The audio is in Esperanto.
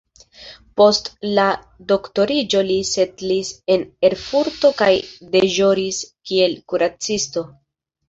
Post la doktoriĝo li setlis en Erfurto kaj deĵoris kiel kuracisto.